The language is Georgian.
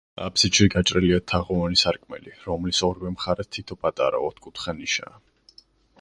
აფსიდში გაჭრილია თაღოვანი სარკმელი, რომლის ორივე მხარეს თითო პატარა, ოთხკუთხა ნიშაა.